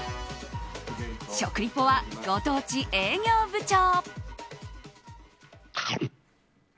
食リポはご当地営業部長。